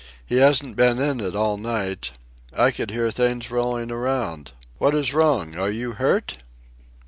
He hasn't been in it all night. I could hear things rolling around ... What is wrong? Are you hurt?"